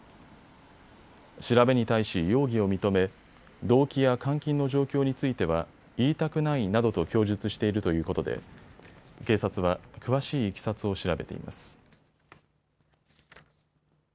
調べに対し容疑を認め動機や監禁の状況については言いたくないなどと供述しているということで警察は詳しいいきさつを調べています。